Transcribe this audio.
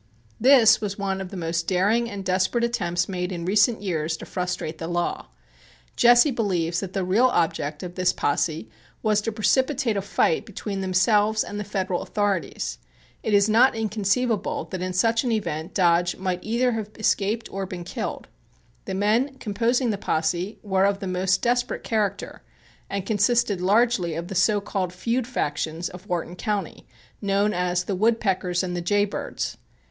This was one of the most daring and desperate attempts made in recent years to frustrate the law. Jesse believes that the real object of this posse was to precipitate a fight between themselves and the Federal authorities. It is not inconceivable that in such an event Dodge might either have escaped or been killed. The men composing the posse were of the most desperate character, and consisted largely of the so called "feud factions" of Wharton County, known as "The Wood Peckers" and "The Jay Birds."